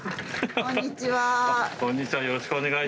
こんにちは。